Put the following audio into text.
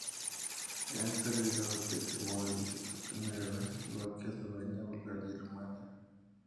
En esta gira Depeche Mode visitó por primera vez Eslovaquia, Eslovenia, Bulgaria y Rumanía.